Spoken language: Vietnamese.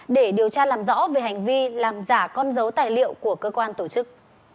để điều tra làm rõ về hành vi làm giả con dấu tài liệu của cơ quan tổ chức